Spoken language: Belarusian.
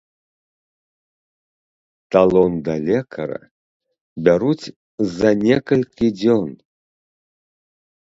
Талон да лекара бяруць за некалькі дзён.